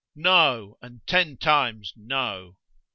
No, and ten times no!